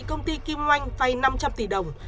công ty kim oanh vay năm trăm linh tỷ đồng